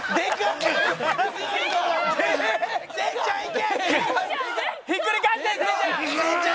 せんちゃんいけ！